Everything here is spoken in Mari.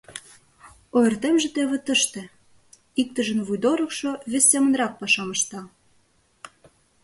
Ойыртемже теве тыште: иктыжын вуйдорыкшо вес семынрак пашам ышта.